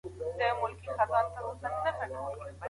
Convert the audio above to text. که څوک په لاره کي خوراک کوي نو ککړه هوا ورسره ننوځي.